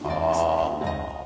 ああ。